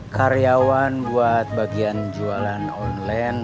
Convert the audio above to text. karyawan buat bagian jualan online